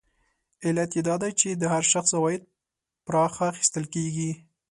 علت یې دا دی چې د هر شخص عواید پراخه اخیستل کېږي